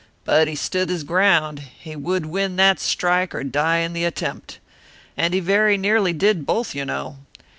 But he stood his ground he would win that strike or die in the attempt. And he very nearly did both, you know.